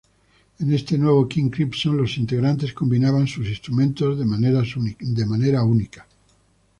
En este nuevo King Crimson, los integrantes combinaban sus instrumentos de maneras únicas.